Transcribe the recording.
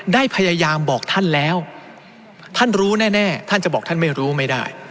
ได้พยายามบอกท่านแล้วท่านรู้แน่ท่านจะบอกท่านไม่รู้ไม่ได้